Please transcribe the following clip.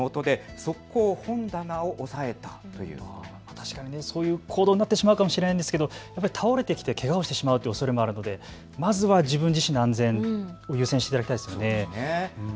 確かにそういう行動になってしまうかもしれませんが倒れてきてけがをしてしまうというおそれもあるのでまずは自分自身の安全を優先していただきたいですね。